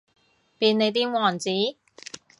便利店王子